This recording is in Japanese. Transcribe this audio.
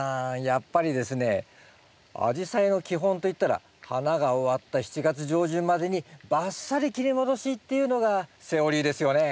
やっぱりですねアジサイの基本といったら花が終わった７月上旬までにバッサリ切り戻しっていうのがセオリーですよね？